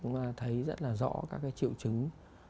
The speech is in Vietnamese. chúng ta thấy rất là rõ các cái triệu chứng